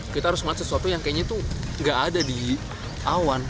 kita harus melihat sesuatu yang kayaknya tuh gak ada di awan